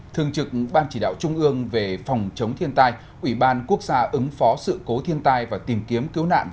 thương trực ban chỉ đạo trung ương về phòng chống thiên tai ubnd ứng phó sự cố thiên tai và tìm kiếm cứu nạn